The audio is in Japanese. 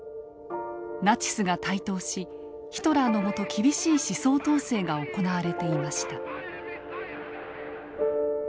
ナチスが台頭しヒトラーのもと厳しい思想統制が行われていました。